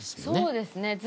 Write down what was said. そうですね。